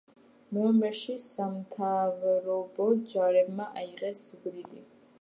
ნოემბერში სამთავრობო ჯარებმა აიღეს ზუგდიდი.